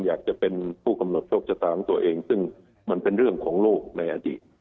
อยากจะเป็นผู้กำหนดโชคชะตาของตัวเองซึ่งมันเป็นเรื่องของโลกในอดีต